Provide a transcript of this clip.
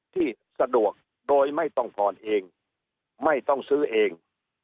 ที่สะดวกโดยไม่ต้องผ่อนเองไม่ต้องซื้อเอง